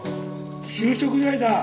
就職祝いだ